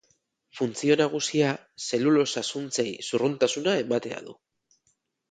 Funtzio nagusia zelulosa‐zuntzei zurruntasuna ematea du.